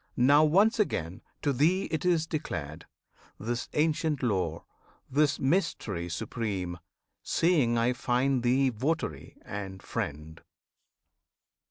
Now once again to thee it is declared This ancient lore, this mystery supreme Seeing I find thee votary and friend.